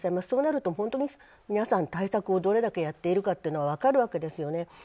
そうなると、皆さん対策をどれだけやっているかは分かるわけですよね。